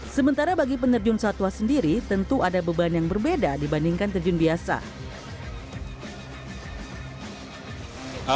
sementara bagi penerjun satwa sendiri tentu ada beban yang berbeda dibandingkan terjun biasa